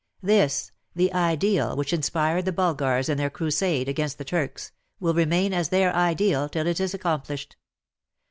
This — the Ideal which inspired the Bulgars in their crusade against the Turks, will remain as their Ideal till it is accomplished.